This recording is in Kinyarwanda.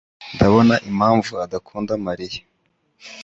Ndabona impamvu adakunda Mariya.